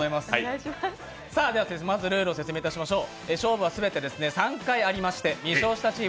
まずルールを説明いたしましょう。